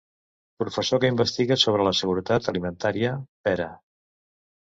>>Professor que investiga sobre la seguretat alimentària: Pera.